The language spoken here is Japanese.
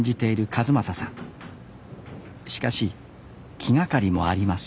しかし気がかりもあります